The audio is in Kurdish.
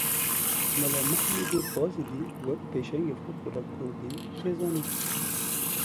Mela Mahmûdê Bazidî wek pêşengê Folklora Kurdî tê zanîn.